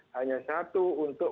hanya satu untuk